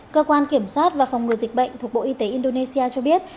cơ quan kiểm soát và phòng ngừa dịch bệnh thuộc bộ y tế indonesia cho biết